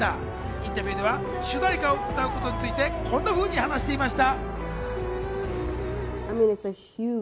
インタビューでは主題歌を歌うことについてこんなふうに話していました。